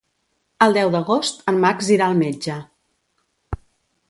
El deu d'agost en Max irà al metge.